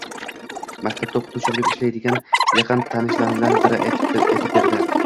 Maktabda o`qituvchi bo`lib ishlaydigan yaqin tanishlarimdan biri aytib berdi